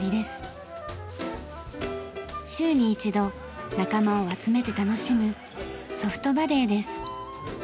週に一度仲間を集めて楽しむソフトバレーです。